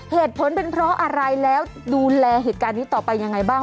เหตุผลเป็นเพราะอะไรแล้วดูแลเหตุการณ์นี้ต่อไปยังไงบ้าง